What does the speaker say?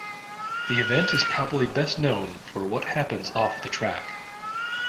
The event is probably best known for what happens off the track.